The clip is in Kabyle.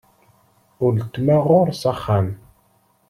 Uletma ɣur-s axxam.